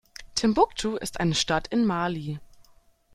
Timbuktu ist eine Stadt in Mali.